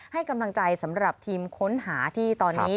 ให้กำลังใจสำหรับทีมค้นหาที่ตอนนี้